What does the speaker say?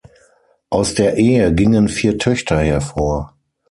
Aus der Ehe gingen vier Töchter hervor.